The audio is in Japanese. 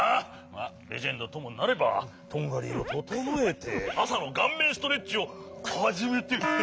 まあレジェンドともなればトンガリをととのえてあさのがんめんストレッチをはじめて。